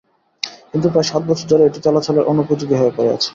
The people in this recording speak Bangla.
কিন্তু প্রায় সাত বছর ধরে এটি চলাচলের অনুপযোগী হয়ে পড়ে আছে।